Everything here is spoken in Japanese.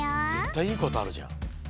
ぜったいいいことあるじゃん。